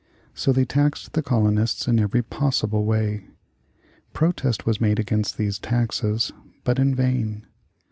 So they taxed the colonists in every possible way. Protest was made against these taxes, but in vain.